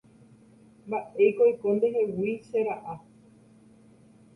Mba'éiko oiko ndehegui che ra'a.